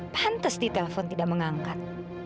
pantes ditelepon tidak mengangkat